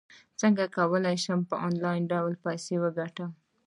څنګه کولی شم په انلاین ډول پیسې وګټم